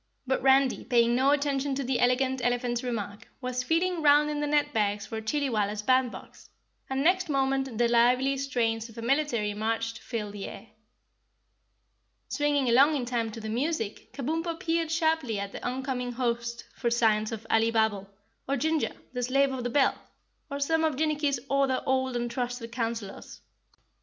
But Randy, paying no attention to the Elegant Elephant's remark, was feeling round in the net bags for Chillywalla's band box, and next moment the lively strains of a military march filled the air. Swinging along in time to the music, Kabumpo peered sharply at the oncoming host for signs of Alibabble, or Ginger, the slave of the bell, or some of Jinnicky's other old and trusted counselors.